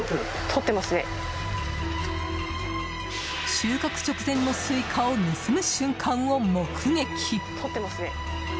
収穫直前のスイカを盗む瞬間を目撃！